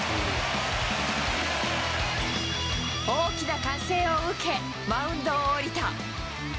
大きな歓声を受け、マウンドを降りた。